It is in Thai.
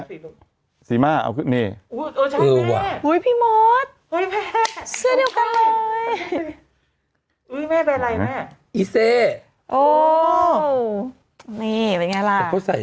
อันนี้เราจะไปดูรูปแทบเสื้อเดียวกับมดดำ